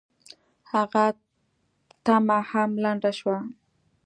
هغه تمه هم لنډه شوه.